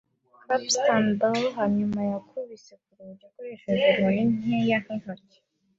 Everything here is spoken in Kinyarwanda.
capstan bar. Hanyuma yakubise ku rugi akoresheje inkoni nkeya nk'intoki